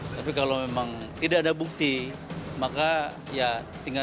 tapi kalau memang tidak ada bukti maka ya tinggal